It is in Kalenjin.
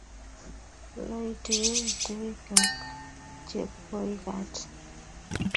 loityingei toik ak chepkoikat